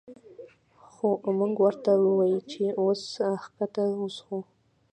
خو مونږ ورته ووې چې وس ښکته وڅښو